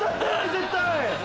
絶対。